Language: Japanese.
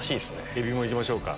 エビもいきましょうか。